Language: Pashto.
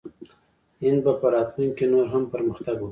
هند به په راتلونکي کې نور هم پرمختګ وکړي.